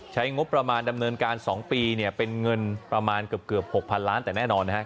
ใช้งบประมาณดำเนินการ๒ปีเป็นเงินประมาณเกือบ๖๐๐๐ล้านแต่แน่นอนนะครับ